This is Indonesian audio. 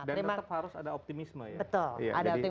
dan tetap harus ada optimisme ya